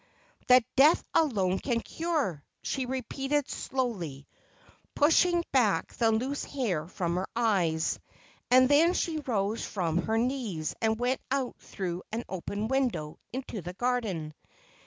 ' That death alone can cure,' she repeated slowly, pushing back the loose hair from her eyes ; and then she rose from her knees and went out through an open window into the garden.